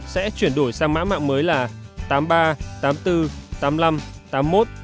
sẽ chuyển đổi sang mã mạng mới là tám mươi ba tám mươi bốn tám mươi năm tám mươi một tám mươi hai